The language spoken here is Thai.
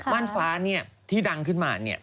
ม่านฟ้าที่ดังขึ้นมา